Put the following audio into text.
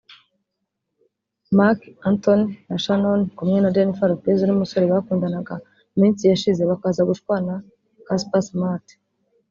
Marc Antony na Shannon kumwe na Jennifer Lopez n'umusore bakundanaga mu minsi yashize bakaza gushwana Casper Smart